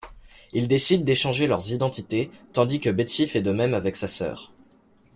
Ils décident d'échanger leurs identités, tandis que Betsy fait de même avec sa sœur.